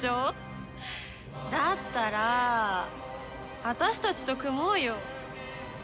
だったら私たちと組もうよ。